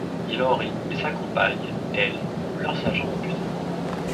Il en rit mais sa compagne, elle, pleure sa jambe amputée.